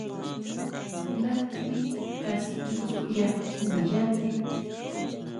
Ndá tsí kasikitsúya ndiyá té.